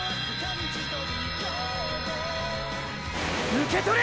受け取れ！